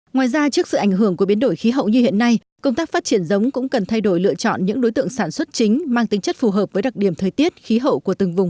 ngoài ra trước sự ảnh hưởng của biến đổi khí hậu như hiện nay công tác phát triển giống cũng cần thay đổi lựa chọn những đối tượng sản xuất chính mang tính chất phù hợp với đặc điểm thời tiết khí hậu của từng vùng